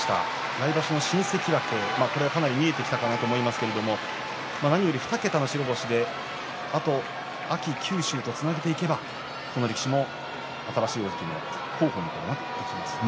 来場所の新関脇、かなり見えてきたかなと思いますが何より２桁の白星であと秋、九州とつなげていけばこの力士も新しい大関の候補になってきますね。